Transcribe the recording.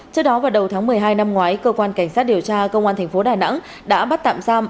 trước đó vào đầu tháng một mươi hai năm ngoái cơ quan cảnh sát điều tra công an thành phố đà nẵng đã bắt tạm giam